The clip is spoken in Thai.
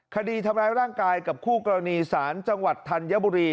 คดีทำร้ายร่างกายกับคู่กรณีสารจังหวัดธัญบุรี